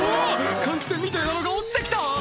換気扇みたいなのが落ちて来た！」